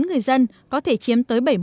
người dân có thể chiếm tới bảy mươi tám mươi